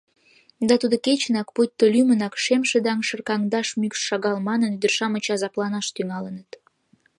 Да тудо кечынак, пуйто лӱмынак, шемшыдаҥ шыркаҥдаш мӱкш шагал манын, ӱдыр-шамыч азапланаш тӱҥалыныт.